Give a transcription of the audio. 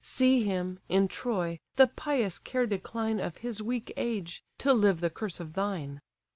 See him, in Troy, the pious care decline Of his weak age, to live the curse of thine!